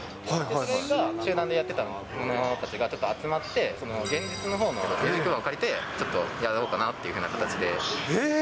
それが集団でやってたものたちがちょっと集まって、現実のほうのを借りてイベントをやろうかなっていうふうな形で。